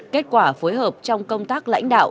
kết quả phối hợp trong công tác lãnh đạo